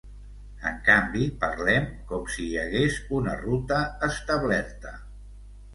En canvi, parlem com si hi hagués una ruta establerta.